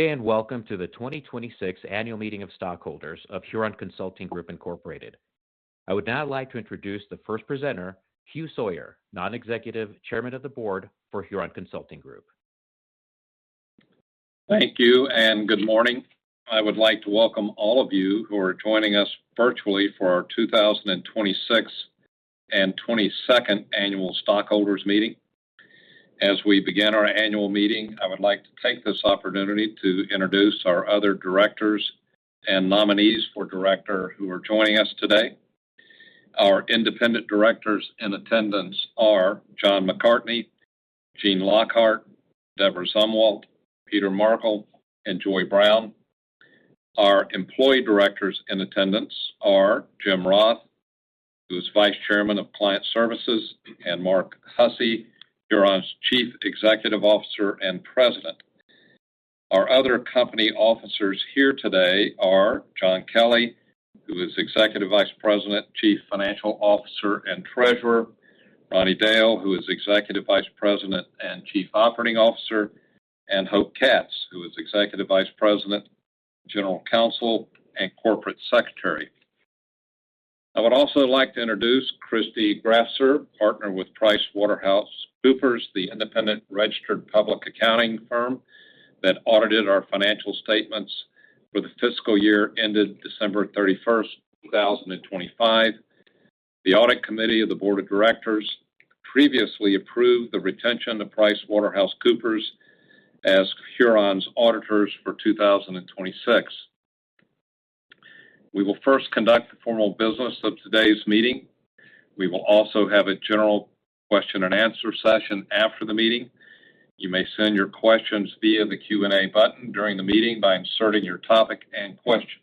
Good day and welcome to the 2026 Annual Meeting of Stockholders of Huron Consulting Group Inc. I would now like to introduce the first presenter, Hugh Sawyer, Non-Executive Chairman of the Board for Huron Consulting Group. Thank you and good morning. I would like to welcome all of you who are joining us virtually for our 2026 and 22nd Annual Stockholders Meeting. As we begin our annual meeting, I would like to take this opportunity to introduce our other directors and nominees for director who are joining us today. Our independent directors in attendance are John McCartney, Gene Lockhart, Debra Zumwalt, Peter Markell, and Joy Brown. Our employee directors in attendance are Jim Roth, who is Vice Chairman of Client Services, and Mark Hussey, Huron's Chief Executive Officer and President. Our other company officers here today are John Kelly, who is Executive Vice President, Chief Financial Officer, and Treasurer, Ronnie Dale, who is Executive Vice President and Chief Operating Officer, and Hope Katz, who is Executive Vice President, General Counsel, and Corporate Secretary. I would also like to introduce Christy Grasser, partner with PricewaterhouseCoopers, the independent registered public accounting firm that audited our financial statements for the fiscal year ended December 31st, 2025. The Audit Committee of the Board of Directors previously approved the retention of PricewaterhouseCoopers as Huron's auditors for 2026. We will first conduct the formal business of today's meeting. We will also have a general question and answer session after the meeting. You may send your questions via the Q&A button during the meeting by inserting your topic and question.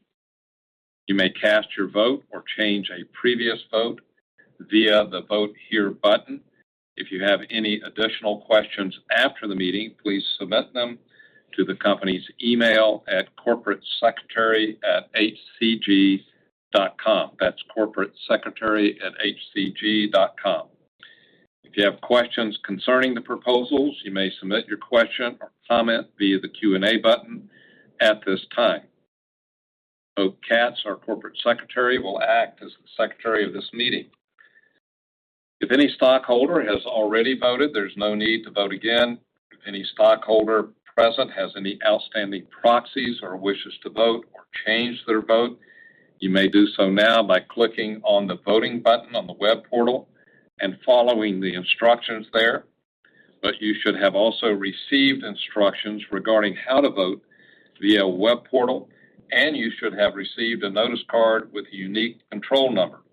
You may cast your vote or change a previous vote via the Vote Here button. If you have any additional questions after the meeting, please submit them to the company's email at corporatesecretary@hcg.com. That's corporatesecretary@hcg.com. If you have questions concerning the proposals, you may submit your question or comment via the Q&A button at this time. Hope Katz, our Corporate Secretary, will act as the secretary of this meeting. If any stockholder has already voted, there's no need to vote again. If any stockholder present has any outstanding proxies or wishes to vote or change their vote, you may do so now by clicking on the voting button on the web portal and following the instructions there. You should have also received instructions regarding how to vote via web portal, and you should have received a notice card with a unique control number.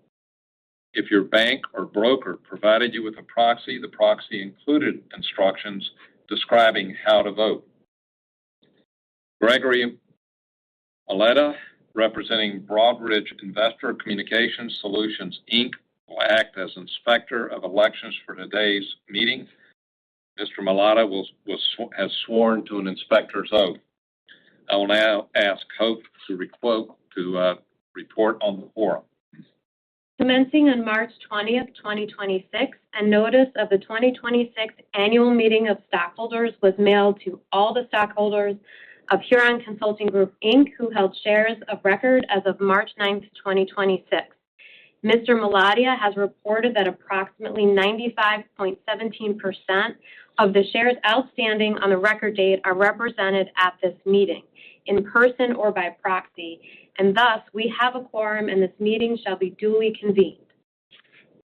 If your bank or broker provided you with a proxy, the proxy included instructions describing how to vote. Gregory Maletta, representing Broadridge Investor Communication Solutions, Inc., will act as Inspector of Elections for today's meeting. Mr. Maletta has sworn to an inspector's oath. I will now ask Hope to report on the quorum. Commencing on March 20th, 2026, a notice of the 2026 Annual Meeting of Stockholders was mailed to all the stockholders of Huron Consulting Group, Inc., who held shares of record as of March 9th, 2026. Mr. Maletta has reported that approximately 95.17% of the shares outstanding on the record date are represented at this meeting, in person or by proxy, and thus we have a quorum and this meeting shall be duly convened.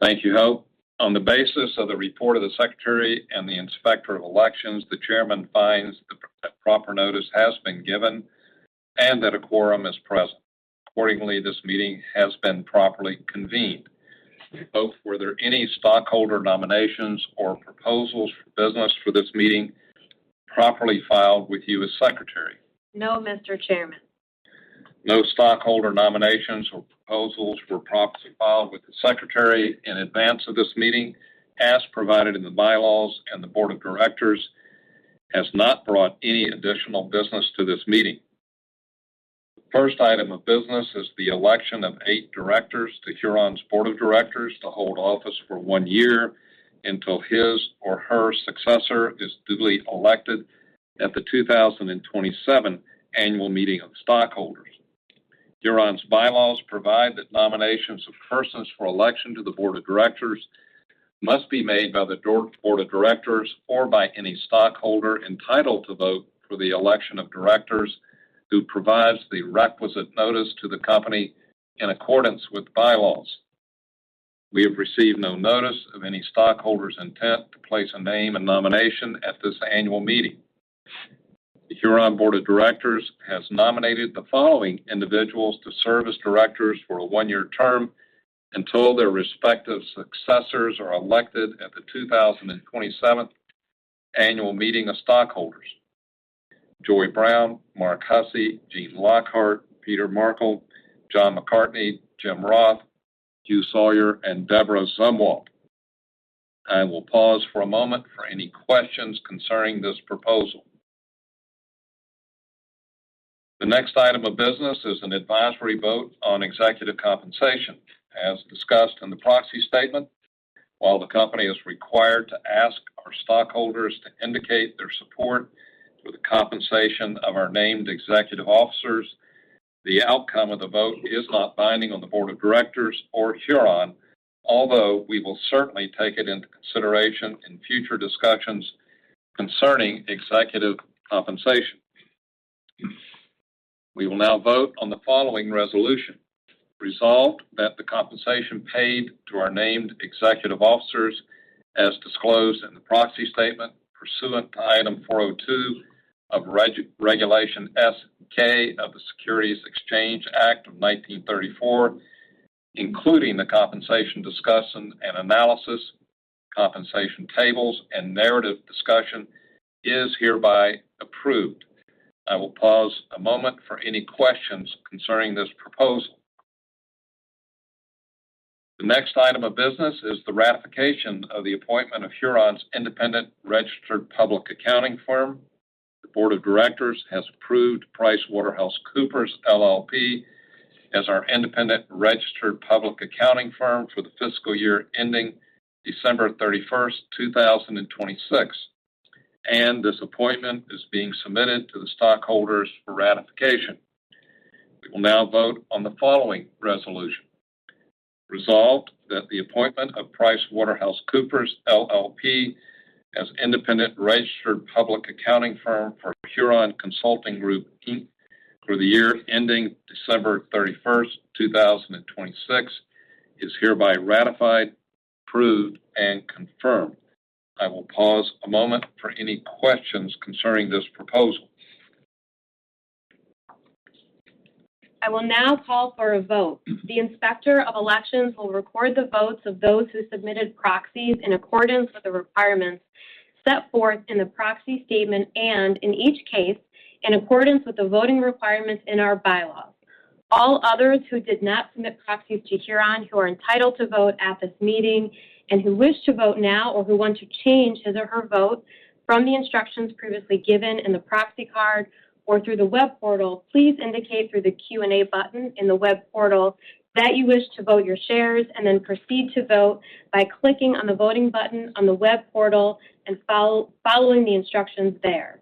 Thank you, Hope. On the basis of the report of the secretary and the Inspector of Elections, the chairman finds that proper notice has been given and that a quorum is present. Accordingly, this meeting has been properly convened. Hope, were there any stockholder nominations or proposals for business for this meeting properly filed with you as secretary? No, Mr. Chairman. No stockholder nominations or proposals were properly filed with the secretary in advance of this meeting, as provided in the bylaws, and the board of directors has not brought any additional business to this meeting. The first item of business is the election of eight directors to Huron's Board of Directors to hold office for one year until his or her successor is duly elected at the 2027 Annual Meeting of Stockholders. Huron's bylaws provide that nominations of persons for election to the Board of Directors must be made by the Board of Directors or by any stockholder entitled to vote for the election of directors who provides the requisite notice to the company in accordance with bylaws. We have received no notice of any stockholder's intent to place a name in nomination at this annual meeting. The Huron Board of Directors has nominated the following individuals to serve as directors for a 1-year term until their respective successors are elected at the 2027 Annual Meeting of Stockholders. Joy Brown, Mark Hussey, Gene Lockhart, Peter Markell, John McCartney, Jim Roth, Hugh Sawyer, and Debra Zumwalt. I will pause for a moment for any questions concerning this proposal. The next item of business is an advisory vote on executive compensation. As discussed in the proxy statement, while the company is required to ask our stockholders to indicate their support for the compensation of our named executive officers, the outcome of the vote is not binding on the Board of Directors or Huron, although we will certainly take it into consideration in future discussions concerning executive compensation. We will now vote on the following resolution. Resolved, that the compensation paid to our named executive officers, as disclosed in the proxy statement pursuant to Item 402 of Regulation S-K of the Securities Exchange Act of 1934, including the Compensation Discussion and Analysis, compensation tables, and narrative discussion, is hereby approved. I will pause a moment for any questions concerning this proposal. The next item of business is the ratification of the appointment of Huron's independent registered public accounting firm. The board of directors has approved PricewaterhouseCoopers LLP as our independent registered public accounting firm for the fiscal year ending December 31st, 2026, and this appointment is being submitted to the stockholders for ratification. We will now vote on the following resolution. Resolved, that the appointment of PricewaterhouseCoopers LLP as independent registered public accounting firm for Huron Consulting Group Inc. for the year ending December 31st, 2026 is hereby ratified, approved, and confirmed. I will pause a moment for any questions concerning this proposal. I will now call for a vote. The inspector of elections will record the votes of those who submitted proxies in accordance with the requirements set forth in the proxy statement and, in each case, in accordance with the voting requirements in our bylaws. All others who did not submit proxies to Huron who are entitled to vote at this meeting and who wish to vote now or who want to change his or her vote from the instructions previously given in the proxy card or through the web portal, please indicate through the Q&A button in the web portal that you wish to vote your shares and then proceed to vote by clicking on the voting button on the web portal and following the instructions there.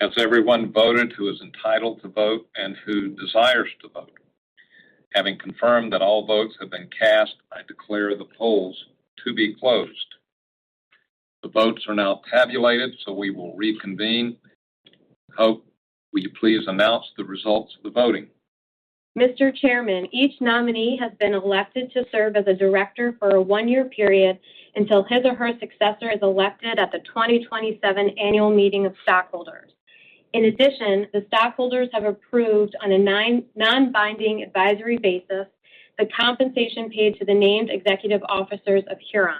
Has everyone voted who is entitled to vote and who desires to vote? Having confirmed that all votes have been cast, I declare the polls to be closed. The votes are now tabulated, we will reconvene. Hope, will you please announce the results of the voting? Mr. Chairman, each nominee has been elected to serve as a director for a 1-year period until his or her successor is elected at the 2027 annual meeting of stockholders. In addition, the stockholders have approved on a non-binding advisory basis the compensation paid to the named executive officers of Huron.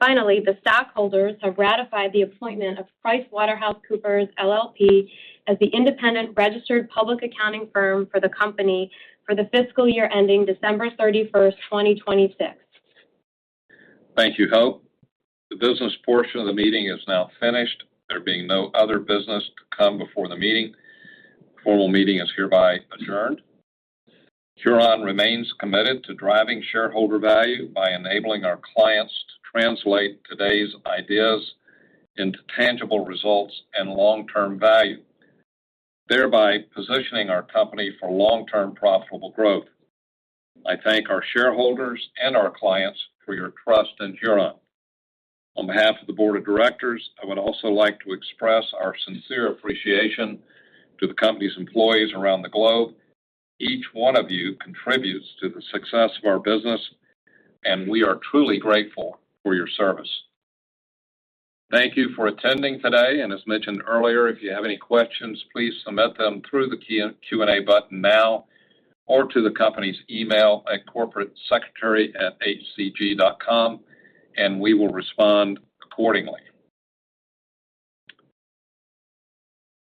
Finally, the stockholders have ratified the appointment of PricewaterhouseCoopers LLP as the independent registered public accounting firm for the company for the fiscal year ending December 31st, 2026. Thank you, Hope. The business portion of the meeting is now finished. There being no other business to come before the meeting, the formal meeting is hereby adjourned. Huron remains committed to driving shareholder value by enabling our clients to translate today's ideas into tangible results and long-term value, thereby positioning our company for long-term profitable growth. I thank our shareholders and our clients for your trust in Huron. On behalf of the board of directors, I would also like to express our sincere appreciation to the company's employees around the globe. Each one of you contributes to the success of our business, and we are truly grateful for your service. Thank you for attending today, and as mentioned earlier, if you have any questions, please submit them through the Q&A button now or to the company's email at corporatesecretary@hcg.com, and we will respond accordingly.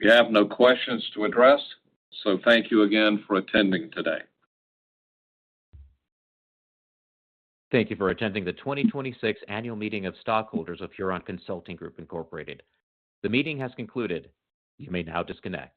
We have no questions to address, so thank you again for attending today. Thank you for attending the 2026 annual meeting of stockholders of Huron Consulting Group, Incorporated. The meeting has concluded. You may now disconnect.